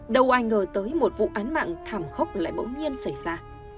đâu ai ngờ tới một vụ án mạng thảm khốc lại bỗng nhiên xảy ra